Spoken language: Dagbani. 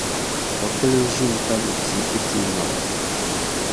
Kpakpili ʒini n-tabili tia ku teei naba.